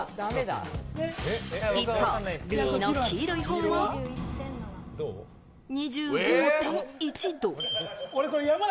一方、Ｂの黄色い方は、２５．１度。